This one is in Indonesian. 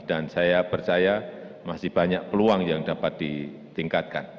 dan saya percaya masih banyak peluang yang dapat ditingkatkan